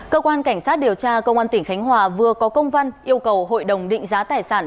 cơ quan cảnh sát điều tra công an tỉnh khánh hòa vừa có công văn yêu cầu hội đồng định giá tài sản